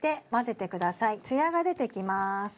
艶が出てきます。